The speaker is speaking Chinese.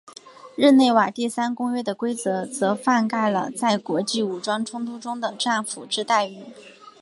日内瓦第三公约的规范则涵盖了在国际武装冲突中的战俘之待遇。